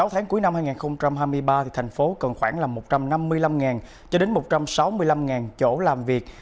sáu tháng cuối năm hai nghìn hai mươi ba thành phố cần khoảng một trăm năm mươi năm cho đến một trăm sáu mươi năm chỗ làm việc